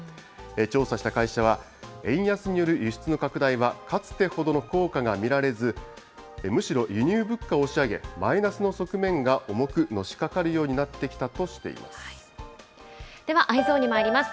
調査した会社は、円安による輸出の拡大は、かつてほどの効果が見られず、むしろ輸入物価を押し上げ、マイナスの側面が重くのしかかるようでは、Ｅｙｅｓｏｎにまいります。